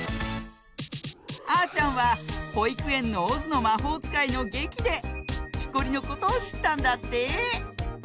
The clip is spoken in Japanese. あーちゃんはほいくえんの「オズのまほうつかい」のげきできこりのことをしったんだって。